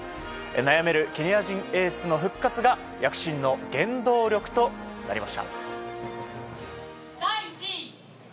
悩めるケニア人エースの復活が躍進の原動力となりました。